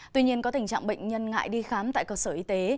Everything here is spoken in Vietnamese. tuy nhiên có tình trạng bệnh nhân ngại đi khám tại cơ sở y tế